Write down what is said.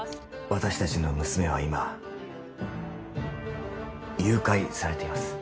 私達の娘は今誘拐されています